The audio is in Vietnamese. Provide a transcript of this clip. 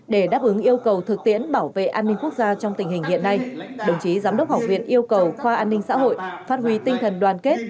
để đáp ứng yêu cầu thực tiễn bảo vệ an ninh quốc gia trong tình hình hiện nay đồng chí giám đốc học viện yêu cầu khoa an ninh xã hội phát huy tinh thần đoàn kết